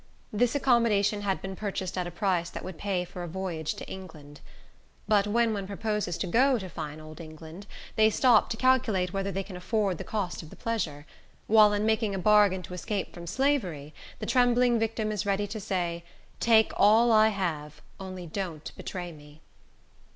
This accommodation had been purchased at a price that would pay for a voyage to England. But when one proposes to go to fine old England, they stop to calculate whether they can afford the cost of the pleasure; while in making a bargain to escape from slavery, the trembling victim is ready to say, "take all I have, only don't betray me!"